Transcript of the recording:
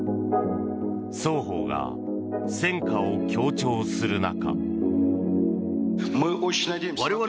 双方が戦果を強調する中。